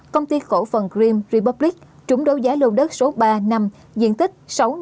công ty khổ phần grimm republic trúng đấu giá lô đất số ba năm diện tích